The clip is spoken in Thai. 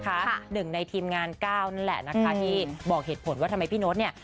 หนึ่งในทีมงานก้าวนั่นแหละนะคะที่บอกเหตุผลว่าทำไมพี่โน๊ตเนี่ย